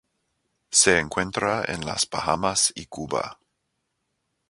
Se encuentra en las Bahamas y Cuba.